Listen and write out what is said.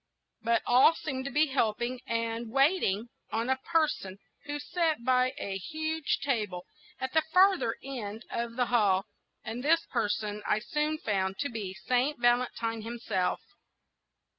But all seemed to be helping and waiting on a person who sat by a huge table at the farther end of the hall, and this person I soon found to be Saint Valentine himself.